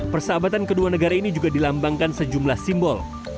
persahabatan kedua negara ini juga dilambangkan sejumlah simbol